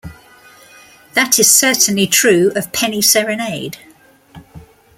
That is certainly true of "Penny Serenade".